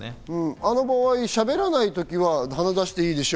あの場合、しゃべらない時は鼻出していいでしょ？